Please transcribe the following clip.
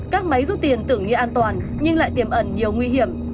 các máy rút tiền tưởng như an toàn nhưng lại tiềm ẩn nhiều nguy hiểm